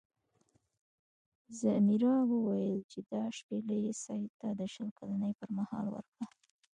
ځمیرا وویل چې دا شپیلۍ سید ته د شل کلنۍ پر مهال ورکړه.